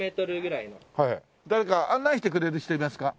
誰か案内してくれる人いますか？